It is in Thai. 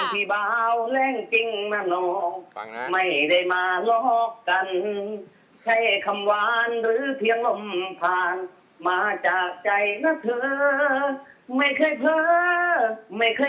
มามา